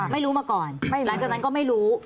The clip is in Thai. ไม่รู้มาก่อนหลังจากนั้นก็ไม่รู้